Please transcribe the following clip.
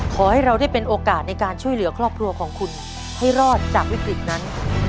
ขอให้เราได้เป็นโอกาสในการช่วยเหลือครอบครัวของคุณให้รอดจากวิกฤตนั้น